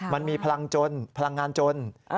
มันมีพลังจนพลังงานจน